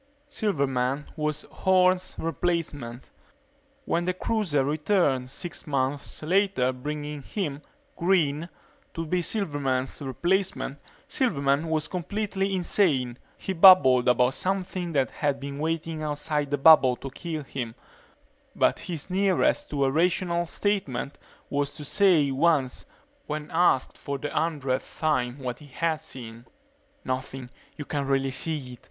Silverman was Horne's replacement. When the cruiser returned six months later bringing him, Green, to be Silverman's replacement, Silverman was completely insane. He babbled about something that had been waiting outside the bubble to kill him but his nearest to a rational statement was to say once, when asked for the hundredth time what he had seen: "Nothing you can't really see it.